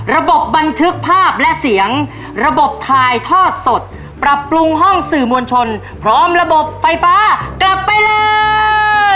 บันทึกภาพและเสียงระบบถ่ายทอดสดปรับปรุงห้องสื่อมวลชนพร้อมระบบไฟฟ้ากลับไปเลย